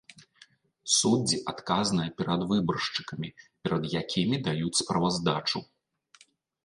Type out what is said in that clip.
Суддзі адказныя перад выбаршчыкамі, перад якімі даюць справаздачу.